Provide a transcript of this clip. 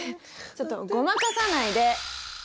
ちょっとごまかさないで！